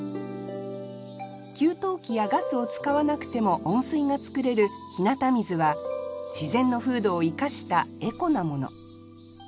給湯器やガスを使わなくても温水が作れる日向水は自然の風土を生かしたエコなもの。